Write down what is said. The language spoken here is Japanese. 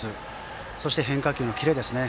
そして変化球のキレですね。